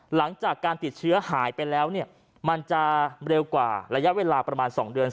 หลังจากการติดเชื้อหายไปแล้วเนี่ยมันจะเร็วกว่าระยะเวลาประมาณ๒เดือน